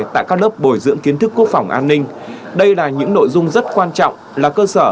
tại các lớp bồi dưỡng kiến thức quốc phòng an ninh đây là những nội dung rất quan trọng là cơ sở